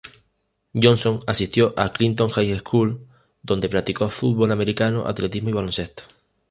Johnson asistió a Clinton High School, donde practicó fútbol americano, atletismo y baloncesto.